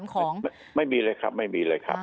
ไม่มีเลยครับ